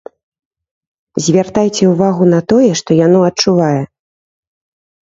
Звяртайце ўвагу на тое, што яно адчувае.